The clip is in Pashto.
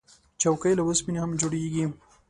چوکۍ له اوسپنې هم جوړیږي.